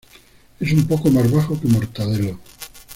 Es un poco más bajo que Mortadelo.